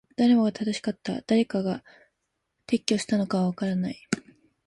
誰もが正しかった。誰が撤去したのかはわからない。